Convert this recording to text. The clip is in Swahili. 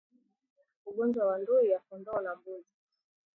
Ugonjwa wa ndui ya kondoo na mbuzi